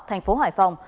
thành phố hải phòng